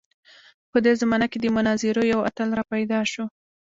په دې زمانه کې د مناظرو یو اتل راپیدا شو.